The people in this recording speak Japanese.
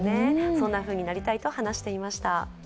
そんなふうになりたいと話していました。